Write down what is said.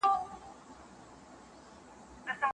په لوی خدای دي ستا قسم وي راته ووایه حالونه